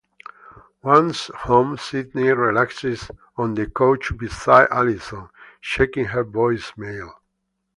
Once home, Sydney relaxes on the couch beside Allison, checking her voicemail.